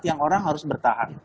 yang orang harus bertahan